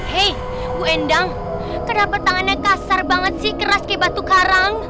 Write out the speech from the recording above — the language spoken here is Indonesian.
hei bu endang kenapa tangannya kasar banget sih keras kayak batu karang